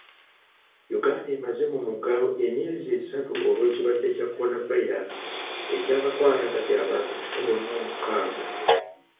Uganda emaze mu muggalo emyezi esatu olw'ekirwadde kya Kolonavayiraasi ekyakakwata kati abantu kikumi mu nkaaga.